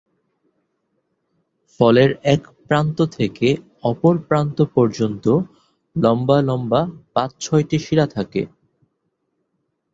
ফলের এক প্রান্ত থেকে অপর প্রান্ত পর্যন্ত লম্বা লম্বা পাঁচ-ছয়টি শিরা থাকে।